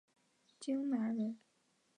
荆南人。